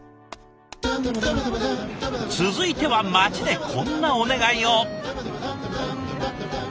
続いては街でこんなお願いを。